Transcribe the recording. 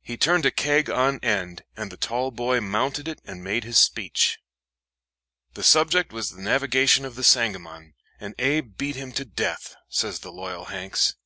He turned a keg on end, and the tall boy mounted it and made his speech. "The subject was the navigation of the Sangamon, and Abe beat him to death," says the loyal Hanks.